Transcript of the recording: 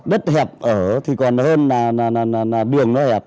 đất hẹp ở thì còn hơn là đường nó hẹp